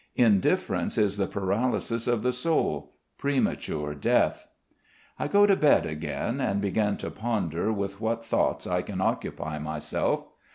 Indifference is the paralysis of the soul, premature death. I go to bed again and begin to ponder with what thoughts I can occupy myself.